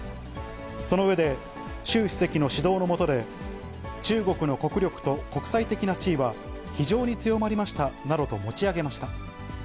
その上で、習主席の指導の下で、中国の国力と国際的な地位は非常に強まりましたなどと持ち上げました。